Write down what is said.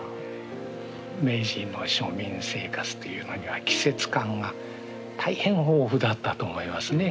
明治の庶民生活というのには季節感が大変豊富だったと思いますね。